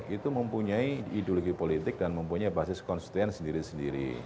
itu mempunyai ideologi politik dan mempunyai basis konstituen sendiri sendiri